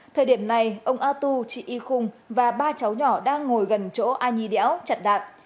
thời điểm này ông atu chị y khung và ba cháu nhỏ đang ngồi gần chỗ a nhi đéo chặt đạn